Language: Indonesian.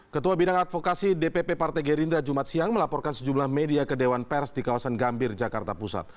ketua bidang advokasi dpp partai gerindra jumat siang melaporkan sejumlah media ke dewan pers di kawasan gambir jakarta pusat